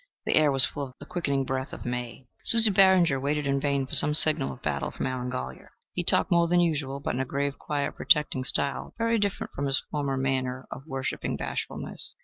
The air was full of the quickening breath of May. Susie Barringer waited in vain for some signal of battle from Allen Golyer. He talked more than usual, but in a grave, quiet, protecting style, very different from his former manner of worshiping bashfulness.